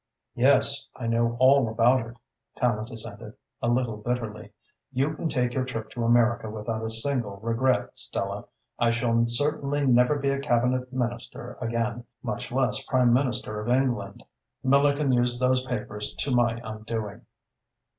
"Yes, I know all about it," Tallente assented, a little bitterly. "You can take your trip to America without a single regret, Stella. I shall certainly never be a Cabinet Minister again, much less Prime Minister of England. Miller can use those papers to my undoing."